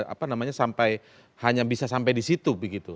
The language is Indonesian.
apa namanya sampai hanya bisa sampai di situ begitu